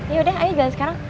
ya udah ayo jalan sekarang